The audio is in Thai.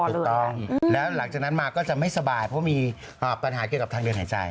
ถูกต้องแล้วหลังจากนั้นมาก็จะไม่สบายเพราะมีปัญหาเกี่ยวกับทางเดินหายใจ